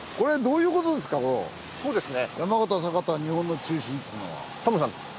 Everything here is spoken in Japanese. そうですね。